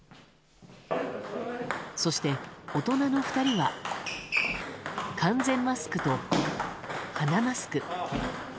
そして、大人の２人は完全マスクと鼻マスク。